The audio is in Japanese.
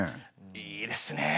いいですね